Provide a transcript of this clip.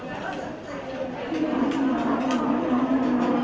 โปรดติดตามต่อไป